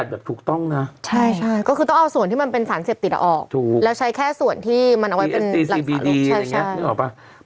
เป็นสารเสียบติดออกแล้วใช้แค่ส่วนที่มันเอาไว้เป็นหลังสารลูก